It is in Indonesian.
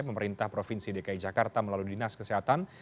pemerintah provinsi dki jakarta melalui dinas kesehatan